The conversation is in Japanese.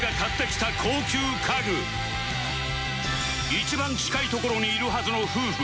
一番近い所にいるはずの夫婦